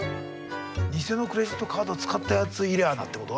偽のクレジットカードを使ったやつ入れ穴ってこと？